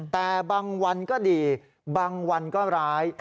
แต่บางวันก็ดีบางวันก็ร้าย